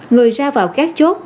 người ra vào các chốt